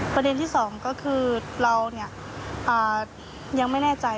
ประเด็นที่สองก็คือเรายังไม่แน่ใจ